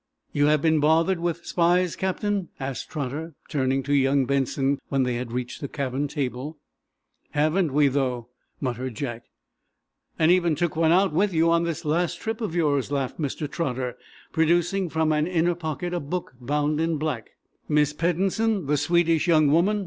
"You have, been bothered with spies, Captain?" asked Trotter, turning to young Benson, when they had reached the cabin table. "Haven't we, though!" muttered Jack. "And even took one out with you on this last trip of yours," laughed Mr. Trotter, producing from an inner pocket a book bound in black. "Miss Peddensen, the Swedish young woman?"